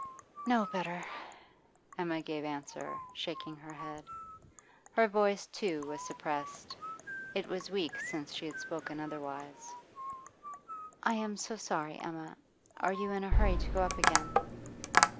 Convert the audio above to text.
'No better,' Emma gave answer, shaking her head. Her voice, too, was suppressed; it was weeks since she had spoken otherwise. 'I am so sorry, Emma. Are you in a hurry to go up again?